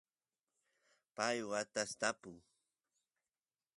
pay watas tapu